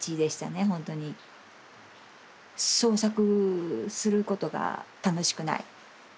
創作することが楽しくない。